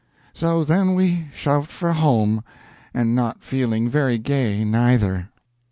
So then we shoved for home, and not feeling very gay, neither.